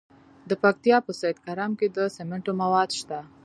د پکتیا په سید کرم کې د سمنټو مواد شته.